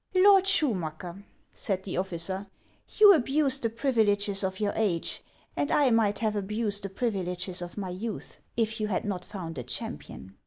" Lord Schumacker," said the officer, " you abused the privileges of your age, and I might have abused the privileges of my youth, if you had not found a champion.